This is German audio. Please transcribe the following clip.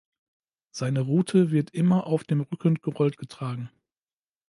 Seine Rute wird immer auf dem Rücken gerollt getragen.